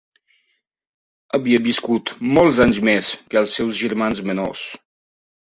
Havia viscut molts anys més que els seus germans menors.